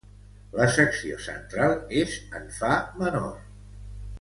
La secció central és en fa menor.